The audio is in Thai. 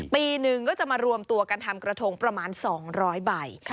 ปีหนึ่งก็จะมารวมตัวกันทำกระทงประมาณ๒๐๐ใบ